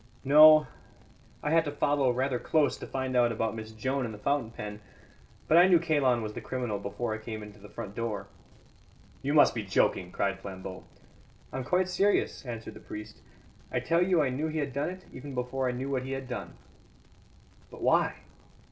"No; I had to follow rather close to find out about Miss Joan and the fountain pen. But I knew Kalon was the criminal before I came into the front door." "You must be joking!" cried Flambeau. "I'm quite serious," answered the priest. "I tell you I knew he had done it, even before I knew what he had done." "But why?"